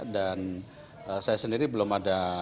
dan saya sendiri belum ada